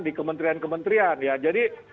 di kementerian kementerian ya jadi